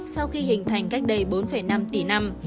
sau khi hình thành cách đây bốn năm tỷ năm